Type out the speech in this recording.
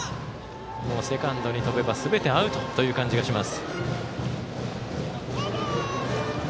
セカンドに飛べばすべてアウトという感じがします。